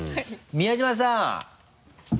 宮島さん！